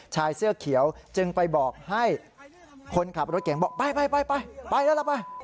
ชายเสื้อเขียวจึงไปบอกให้คนขับรถเก่งบอกไปไปไปแล้วเราไป